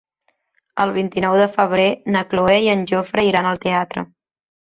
El vint-i-nou de febrer na Cloè i en Jofre iran al teatre.